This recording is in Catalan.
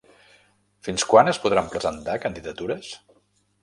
Fins quan es podran presentar candidatures?